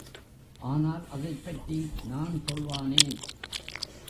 ஆனால் அதைப் பற்றி நான் சொல்வானேன்?